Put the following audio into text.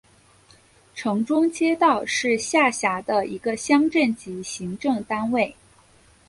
城中街道是下辖的一个乡镇级行政单位。